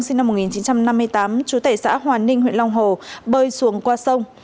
sinh năm một nghìn chín trăm năm mươi tám chú tể xã hòa ninh huyện long hồ bơi xuồng qua sông